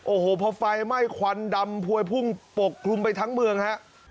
โอ้โหพอไฟไหม้ควันดำพวยพุ่งปกคลุมไปทั้งเมืองฮะ